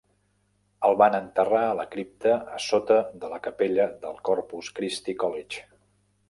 El van enterrar a la cripta a sota de la capella del Corpus Christi College.